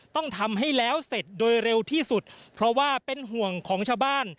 ต้องทำให้แล้วเสร็จโดยเร็วที่สุดเพราะว่าเป็นห่วงของชาวบ้าน